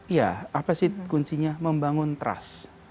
iya apa sih kuncinya membangun trust